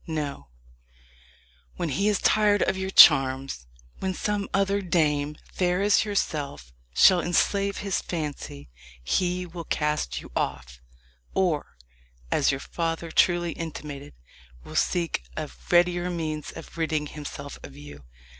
No; when he is tired of your charms when some other dame, fair as yourself, shall enslave his fancy, he will cast you off, or, as your father truly intimated, will seek a readier means of ridding himself of you.